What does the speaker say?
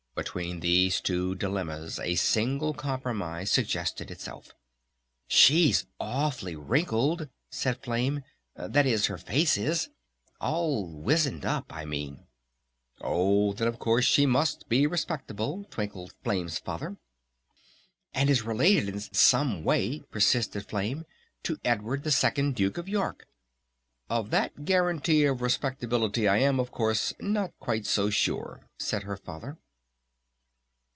Between these two dilemmas a single compromise suggested itself. "She's awfully wrinkled," said Flame; "that is her face is. All wizened up, I mean." "Oh, then of course she must be respectable," twinkled Flame's Father. "And is related in some way," persisted Flame, "to Edward the 2nd Duke of York." "Of that guarantee of respectability I am, of course, not quite so sure," said her Father.